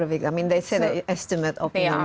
mereka mengatakan satu juta orang rohingya